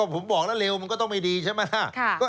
ผมบอกแล้วเร็วมันก็ต้องไม่ดีใช่ไหม